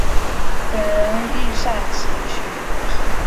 本人亦擅词曲。